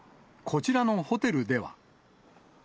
こちらのホテルでは。